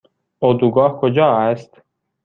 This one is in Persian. اردوگاه کجا است؟